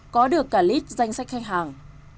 có được cả lít danh sách khách hàng